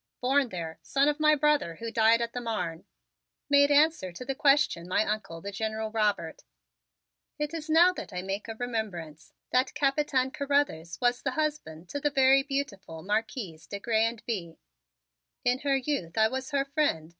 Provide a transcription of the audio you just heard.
"Born there; son of my brother, who died at the Marne," made answer to the question my Uncle, the General Robert. "It is now that I make a remembrance. That Capitaine Carruthers was the husband to the very beautiful Marquise de Grez and Bye. In her youth I was her friend.